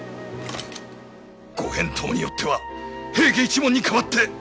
ご返答によっては平家一門に代わって。